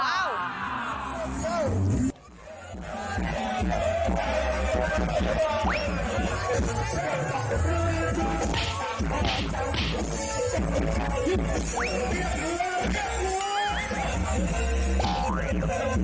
สะพาน